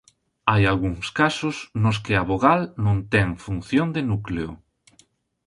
Hai algúns casos nos que a vogal non ten función de núcleo.